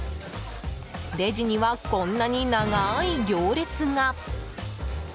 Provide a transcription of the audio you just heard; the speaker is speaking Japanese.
レジには、こんなに長い行列が！